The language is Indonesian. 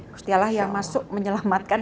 gusti allah yang masuk menyelamatkan